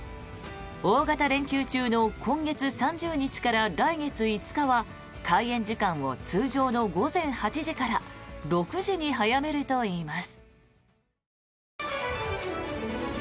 大型連休中の今月３０日から来月５日は開園時間を通常の午前８時から６時に早めるといいます。